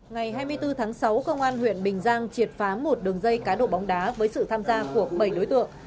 ngày hai mươi bốn tháng sáu công an huyện bình giang triệt phá một đường dây cá độ bóng đá với sự tham gia của bảy đối tượng